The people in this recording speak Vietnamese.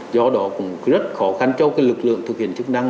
do đó cũng rất khó khăn cho lực lượng thực hiện chức năng